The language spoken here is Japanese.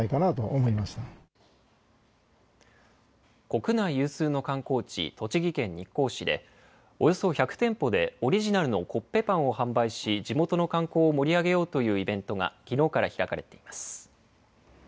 国内有数の観光地、栃木県日光市で、およそ１００店舗でオリジナルのコッペパンを販売し、地元の観光を盛り上げようというイベントがきのうから開かれています。